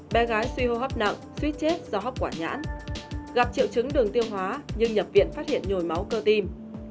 bé gái suy hô hấp nặng suy chết do hóc quả nhãn gặp triệu chứng đường tiêu hóa nhưng nhập viện phát hiện nhồi máu cơ tim